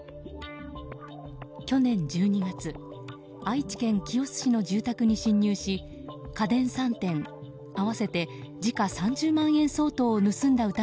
去年１２月愛知県清須市の住宅に侵入し家電３点合わせて時価３０万円相当を盗んだ